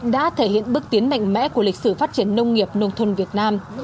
đã thể hiện bước tiến mạnh mẽ của lịch sử phát triển nông nghiệp nông thôn việt nam